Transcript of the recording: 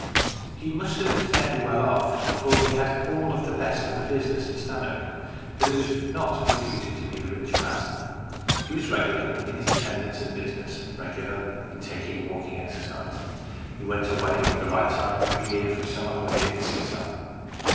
He must have been fairly well off, for he had all the best of the business in Stannoke, but he was not reputed to be a rich man. He 194 LOCRIS OF THE TOWER 195 was regular in his attendance at business, and regular in taking walking exercise. He went away at the right time every year for his summer holiday at the seaside.